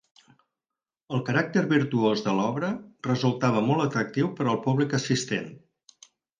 El caràcter virtuós de l’obra resultava molt atractiu per al públic assistent.